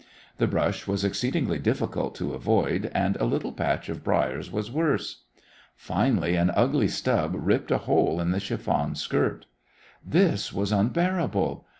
The brush was exceedingly difficult to avoid, and a little patch of briers was worse. Finally an ugly stub ripped a hole in the chiffon skirt. This was unbearable.